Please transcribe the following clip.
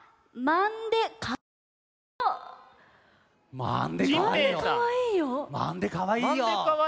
「まんでかわいいよ」？